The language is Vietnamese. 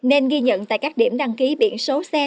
nên ghi nhận tại các điểm đăng ký biển số xe